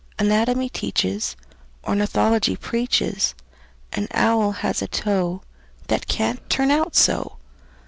Anatomy teaches, Ornithology preaches An owl has a toe That can't turn out so!